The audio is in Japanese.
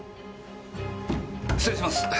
失礼します！